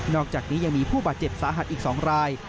อกจากนี้ยังมีผู้บาดเจ็บสาหัสอีก๒ราย